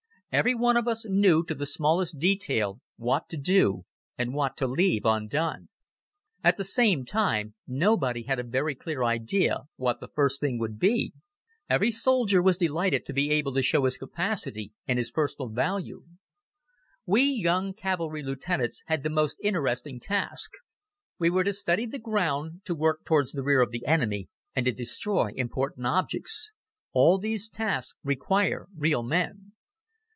Everyone of us knew to the smallest detail what to do and what to leave undone. At the same time, nobody had a very clear idea, what the first thing would be. Every soldier was delighted to be able to show his capacity and his personal value. We young cavalry Lieutenants had the most interesting task. We were to study the ground, to work towards the rear of the enemy, and to destroy important objects. All these tasks require real men.